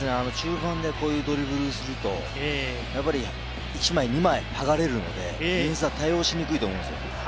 中盤でこういうドリブルをすると、１枚２枚はがれるので、ディフェンスは対応しにくいと思うんです。